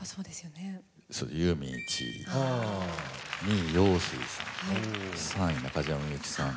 １位２位陽水さん３位中島みゆきさん